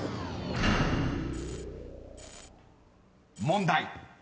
［問題］